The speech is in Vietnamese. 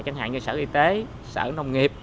chẳng hạn như sở y tế sở nông nghiệp